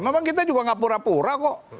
memang kita juga gak pura pura kok